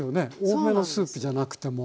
多めのスープじゃなくても。